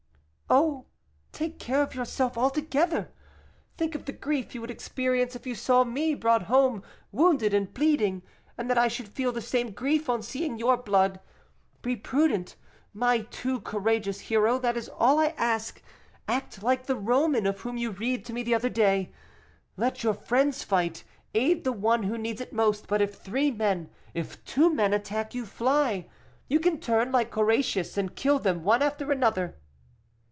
"Oh, take care of yourself altogether. Think of the grief you would experience if you saw me brought home wounded and bleeding, and that I should feel the same grief on seeing your blood. Be prudent, my too courageous hero that is all I ask. Act like the Roman of whom you read to me the other day: let your friends fight, aid the one who needs it most, but if three men if two men attack you, fly; you can turn, like Horatius, and kill them one after another."